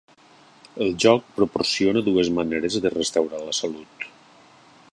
El joc proporciona dues maneres de restaurar la salut.